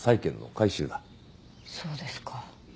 そうですか。